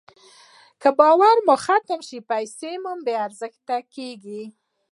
که باور ختم شي، پیسه بېارزښته کېږي.